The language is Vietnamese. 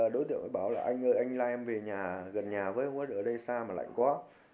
đối tượng mới bảo là anh ơi anh lai em về nhà gần nhà với hút ở đây xa mà lạnh quá